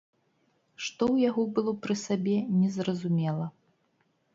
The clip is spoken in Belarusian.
Што ў яго было пры сабе, незразумела.